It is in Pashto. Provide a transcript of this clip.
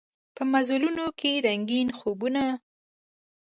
په مزلونوکې رنګین خوبونه